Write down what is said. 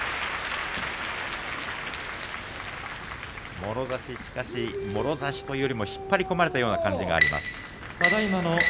もろ差し、しかしもろ差しというよりも引っ張り込まれたりというな感じがあります。